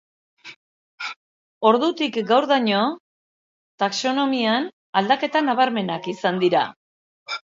Ordutik gaurdaino taxonomian aldaketa nabarmenak izan dira.